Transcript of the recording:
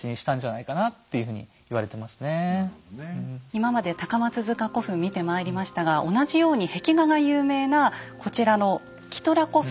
今まで高松塚古墳見てまいりましたが同じように壁画が有名なこちらのキトラ古墳。